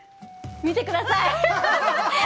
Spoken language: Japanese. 見てください！